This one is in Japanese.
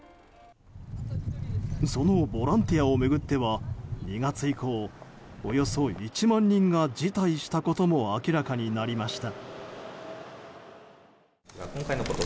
そのボランティアを巡っては２月以降およそ１万人が辞退したことも明らかになりました。